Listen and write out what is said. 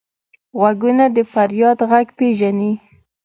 غوږونه د فریاد غږ پېژني